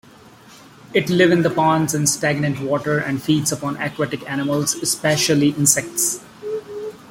It lives in ponds and stagnant water and feeds upon aquatic animals, especially insects.